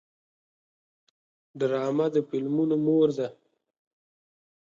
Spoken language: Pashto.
ډرامه د فلمونو مور ده